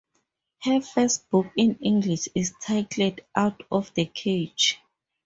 Her first book in English is titled "Out of the Cage".